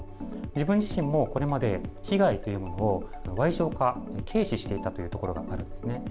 自分自身もこれまで、被害というものをわい小化、軽視していたというところがあるんですね。